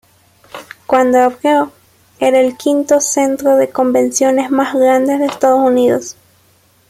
Cuando abrió, era el quinto centro de convenciones más grande de Estados Unidos.